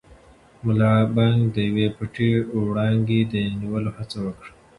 ملا بانګ د یوې پټې وړانګې د نیولو هڅه وکړه.